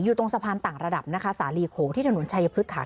อยู่ตรงสะพานต่างระดับนะคะสาลีโขงที่ถนนชัยพฤกษา